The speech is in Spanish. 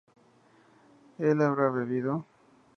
¿él habrá bebido?